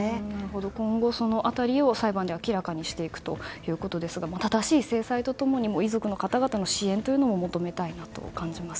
今後その辺りを裁判で明らかにしていくということですが正しい制裁と共に遺族の方々への支援というのも求めたいなと感じます。